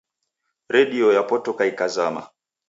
Redio yapotoka ikazama